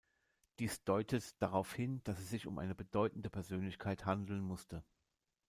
Dies deutet darauf hin, dass es sich um eine bedeutende Persönlichkeit handeln musste.